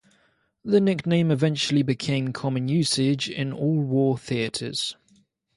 The nickname eventually became common usage in all war theatres.